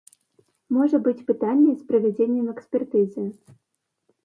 Можа быць пытанне з правядзеннем экспертызы.